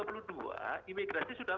sebelum tanggal dua puluh dua